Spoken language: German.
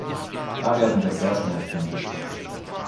Da werden wir sehr schnell fündig.